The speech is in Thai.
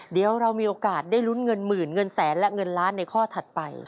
เดี๋ยวเรามีโอกาสได้ลุ้นเงินหมื่นเงินแสนและเงินล้านในข้อถัดไป